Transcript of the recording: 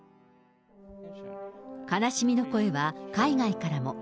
悲しみの声は海外からも。